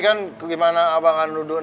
kok kalian berduaan